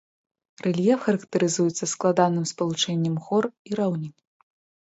Рэльеф характарызуецца складаным спалучэннем гор і раўнін.